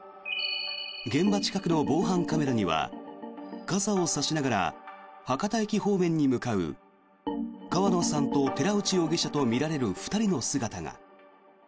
現場近くの防犯カメラには傘を差しながら博多駅方面に向かう川野さんと寺内容疑者とみられる２人の姿が。